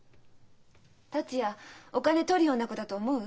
達也お金盗るような子だと思う？